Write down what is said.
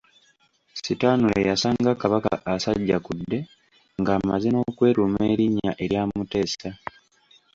Stanley yasanga Kabaka asajjakudde ng'amaze n'okwetuuma erinnya erya Mutesa.